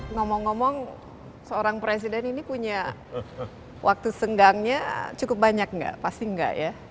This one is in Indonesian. ngomong ngomong seorang presiden ini punya waktu senggangnya cukup banyak nggak pasti enggak ya